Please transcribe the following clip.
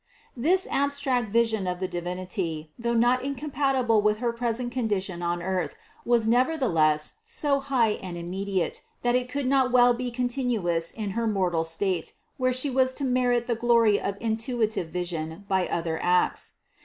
313. This abstract vision of the Divinity, though not incompatible with her present condition on earth, was nevertheless so high and immediate, that it could not well be continuous in her mortal state, where She was to merit the glory of intuitive vision by other acts.